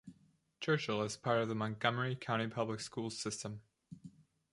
Churchill is part of the Montgomery County Public Schools system.